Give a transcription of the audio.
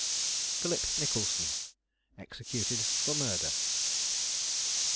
PHILIP NICHOLSON EXECUTED FOR MURDER.